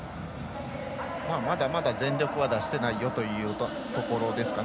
まだまだ全力は出してないよというところですかね。